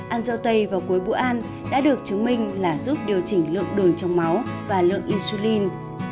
ăn dâu tây vào cuối bữa ăn đã được chứng minh là giúp điều chỉnh lượng đường trong máu và lượng insulin